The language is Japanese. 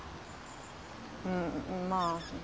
うんまあ。